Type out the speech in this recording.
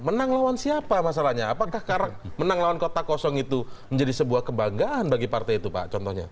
menang lawan siapa masalahnya apakah menang lawan kota kosong itu menjadi sebuah kebanggaan bagi partai itu pak contohnya